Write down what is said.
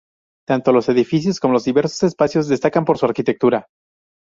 Tanto los edificios como los diversos espacios destacan por su arquitectura.